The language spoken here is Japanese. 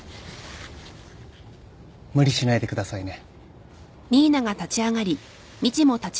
無理しないでくださいね。